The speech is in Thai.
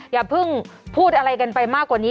อย่าเพิ่งพูดอะไรกันไปมากกว่านี้